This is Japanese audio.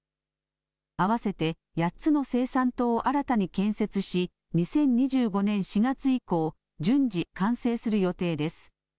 合わせて８つの生産棟を新たに建設し２０２５年４月以降順次完成する予定です。